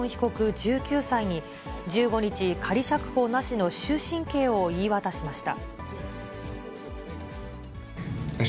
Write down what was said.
１９歳に、１５日、仮釈放なしの終身刑を言い渡しました。